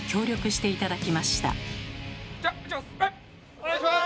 お願いします！